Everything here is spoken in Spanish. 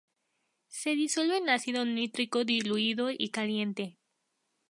Se disuelve en ácido nítrico diluido y caliente.